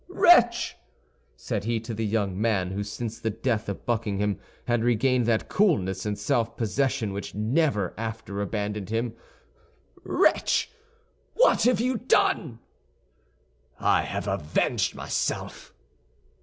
"Wretch!" said he to the young man, who since the death of Buckingham had regained that coolness and self possession which never after abandoned him, "wretch! what have you done?" "I have avenged myself!"